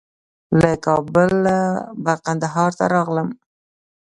له کابله به کندهار ته راغلم.